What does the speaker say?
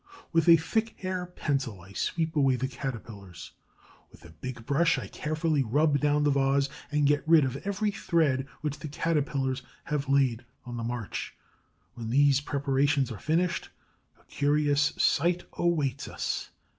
With a thick hair pencil I sweep away the Caterpillars; with a big brush I carefully rub down the vase and get rid of every thread which the Caterpillars have laid on the march. When these preparations are finished, a curious sight awaits us.